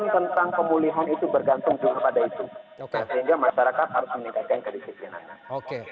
oke bang faisal terima kasih sudah memberikan perspektifnya kita berharap di situasi yang memang tidak menentu seperti sebelumnya